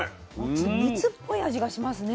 ちょっと蜜っぽい味がしますね。